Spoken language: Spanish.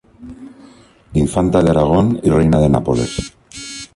Infanta de Aragón y reina de Nápoles.